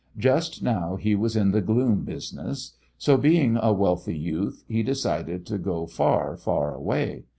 Just now he was in the gloom business. So, being a wealthy youth, he decided to go far, far away.